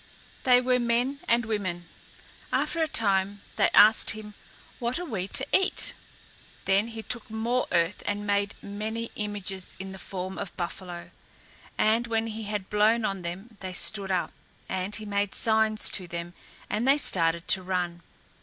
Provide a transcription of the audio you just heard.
They were men and women. After a time they asked him, "What are we to eat?" Then he took more earth and made many images in the form of buffalo, and when he had blown on them they stood up, and he made signs to them and they started to run.